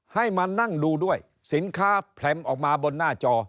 ให้มานั่งดูด้วยสินค้าแพรมออกมาบนหน้าจอ